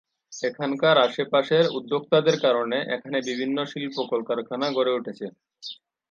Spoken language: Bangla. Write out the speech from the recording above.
এখানকার আশেপাশের উদ্যোক্তাদের কারণে এখানে বিভিন্ন শিল্প কলকারখানা গড়ে উঠেছে।